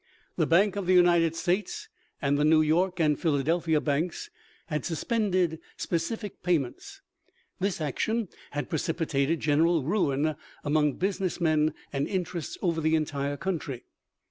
The Bank of the United States and the New York and Philadel phia Banks had suspended specie payments. This action had precipitated general ruin among business men and interests over the entire country.